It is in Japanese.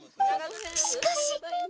しかし。